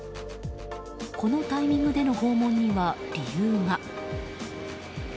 このタイミングでの訪問には理由が。